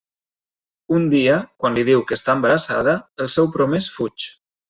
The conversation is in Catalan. Un dia, quan li diu que està embarassada, el seu promès fuig.